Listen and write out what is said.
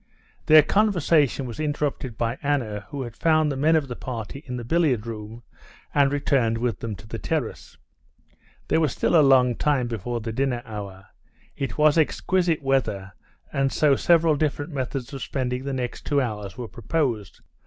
Their conversation was interrupted by Anna, who had found the men of the party in the billiard room, and returned with them to the terrace. There was still a long time before the dinner hour, it was exquisite weather, and so several different methods of spending the next two hours were proposed.